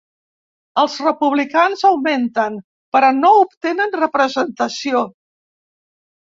Els Republicans augmenten però no obtenen representació.